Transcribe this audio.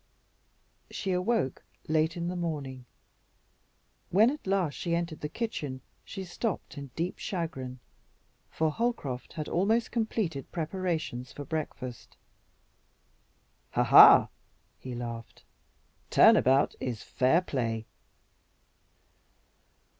She awoke late in the morning. When at last she entered the kitchen she stopped in deep chagrin, for Holcroft had almost completed preparations for breakfast. "Ha, ha!" he laughed, "turn about is fair play."